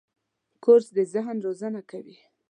کورس د ذهن روزنه کوي.